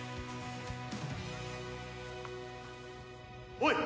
おい！